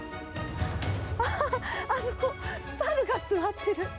ああ、あそこ、サルが座ってる。